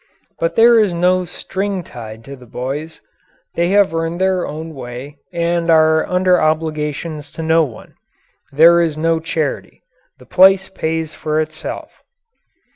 But there is no string tied to the boys. They have earned their own way and are under obligations to no one. There is no charity. The place pays for itself.